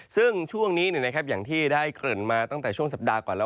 ซึ่งช่วงนี้อย่างที่ได้เกริ่นมาตั้งแต่ช่วงสัปดาห์ก่อนแล้ว